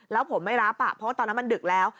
แล้วผมไม่รับเพราะว่าตอนนั้นมันดึกแล้ว